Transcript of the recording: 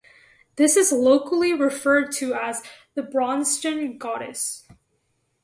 This is locally referred to as The Braunston "Goddess".